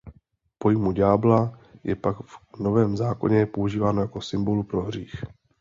Pojmu ďábla je pak v Novém zákoně používáno jako symbolu pro hřích.